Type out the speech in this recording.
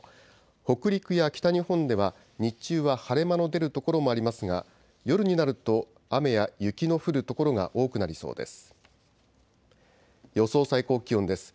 北陸や北日本では日中は晴れ間の出る所もありますが夜になると雨や雪の降る所が多くなりそうです。